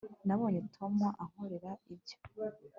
nabonye tom ankorera ibyo